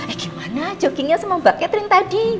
eh gimana joggingnya sama mbak catherine tadi